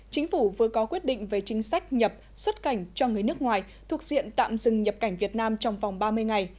chính phủ vừa có quyết định về chính sách nhập xuất cảnh cho người nước ngoài thuộc diện tạm dừng nhập cảnh việt nam trong vòng ba mươi ngày